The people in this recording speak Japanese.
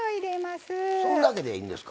そんだけでいいんですか。